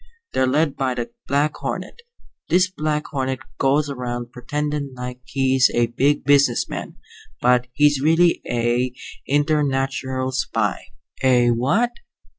They're led by the Black Hornet. This Black Hornet goes around pretendin' like he's a big business man, but he's really a internatural spy." "A what?"